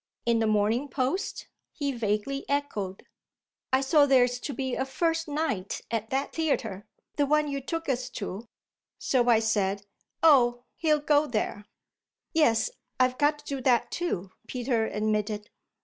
"In the Morning Post?" he vaguely echoed. "I saw there's to be a first night at that theatre, the one you took us to. So I said, 'Oh he'll go there.'" "Yes, I've got to do that too," Peter admitted.